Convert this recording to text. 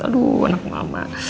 aduh anak mama